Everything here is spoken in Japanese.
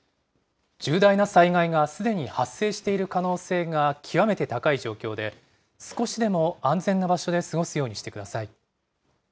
重大な災害がすでに発生している可能性が極めて高い状況で、少しでも安全な場所で過ごすようにしてください。